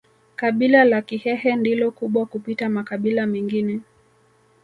Kabila la Kihehe ndilo kubwa kupita makabila mengine